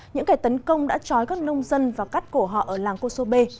những kẻ tấn công đã trói các nông dân và cắt cổ họ ở làng kosobe